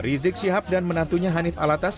rizik syihab dan menantunya hanif alatas